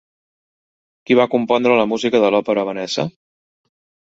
Qui va compondre la música de l'òpera Vanessa?